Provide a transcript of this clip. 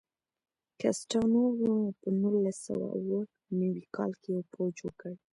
کسټانو وروڼو په نولس سوه اوه نوي کال کې یو پوځ جوړ کړ.